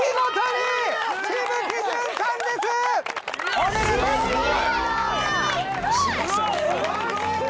おめでとうございます！